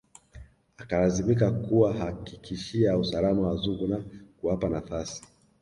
Akalazimika kuwahakikishia usalama wazungu na kuwapa nafasi